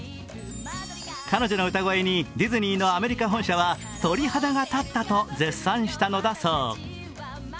彼女の歌声にディズニーのアメリカ本社は鳥肌が立ったと絶賛したのだそう。